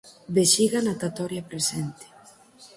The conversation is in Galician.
Vexiga natatoria presente.